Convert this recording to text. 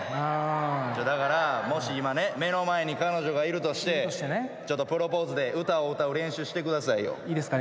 だからもし今ね目の前に彼女がいるとしてちょっとプロポーズで歌を歌う練習してくださいよ。いいですか？